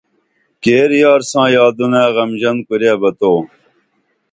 کیر یار ساں یادونہ غمژن کُرے بہ تو